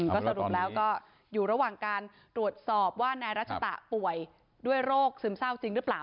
ก็สรุปแล้วก็อยู่ระหว่างการตรวจสอบว่านายรัชตะป่วยด้วยโรคซึมเศร้าจริงหรือเปล่า